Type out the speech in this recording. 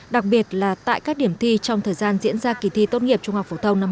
đặc biệt là tại các điểm thi trong thời gian diễn ra kỳ thi tốt nghiệp trung học phổ thông năm hai nghìn hai mươi